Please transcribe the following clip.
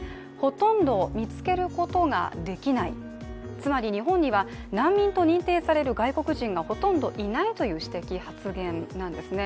つまり日本には、難民と認定される外国人がほとんどいないという指摘・発言なんですね。